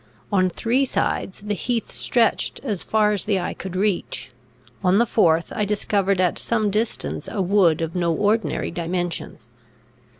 On three sides, the heath stretched as far as the eye could reach; on the fourth, I discovered at some distance a wood of no ordinary dimensions.